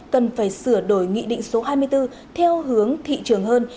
cần phải sửa đổi nghị định số hai mươi bốn theo hướng thị trường hơn